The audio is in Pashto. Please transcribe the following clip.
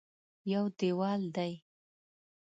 یو دېوال دی.